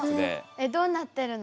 えっどうなってるの？